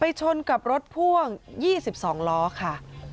ชนกับรถพ่วง๒๒ล้อค่ะ